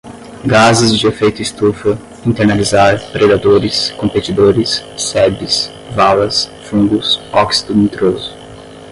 gases de efeito estufa, internalizar, predadores, competidores, sebes, valas, fungos, óxido nitroso